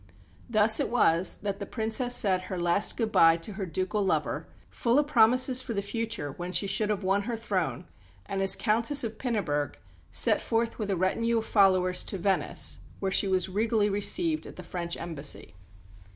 Thus it was that the Princess said her last good bye to her ducal lover, full of promises for the future when she should have won her throne, and as "Countess of Pinneberg" set forth with a retinue of followers to Venice, where she was regally received at the French embassy.